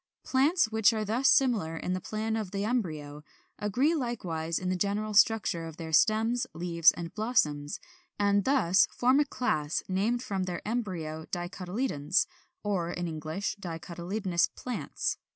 Plants which are thus similar in the plan of the embryo agree likewise in the general structure of their stems, leaves, and blossoms; and thus form a class, named from their embryo DICOTYLEDONES, or in English, DICOTYLEDONOUS PLANTS.